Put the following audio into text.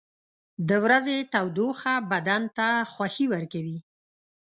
• د ورځې تودوخه بدن ته خوښي ورکوي.